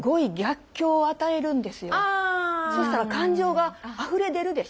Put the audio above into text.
そしたら感情があふれ出るでしょ。